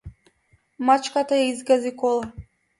Мачката ја изгази кола.